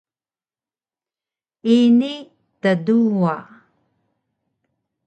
Ini tduwa!